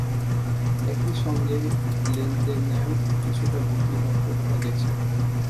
একই সঙ্গে লেনদেনেও কিছুটা গতি লক্ষ করা গেছে।